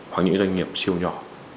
hoặc những doanh nghiệp siêu nhỏ